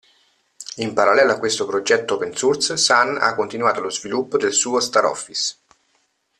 In parallelo a questo progetto open source Sun ha continuato lo sviluppo del suo StarOffice.